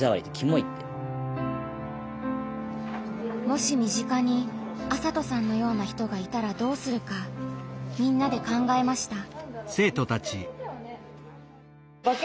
もし身近に麻斗さんのような人がいたらどうするかみんなで考えました。